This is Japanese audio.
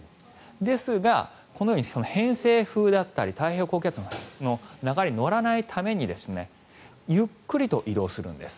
ですが、このように偏西風だったり太平洋高気圧の流れに乗らないためにゆっくりと移動するんです。